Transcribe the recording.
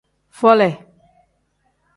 Fole.